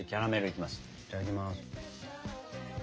いただきます。